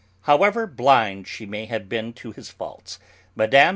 However blind she may have been to his faults, Mme.